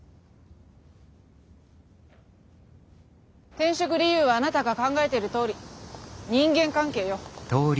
転職理由はあなたが考えてるとおり人間関係よ。